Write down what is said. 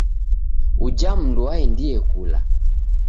Uja mndu waendie kula.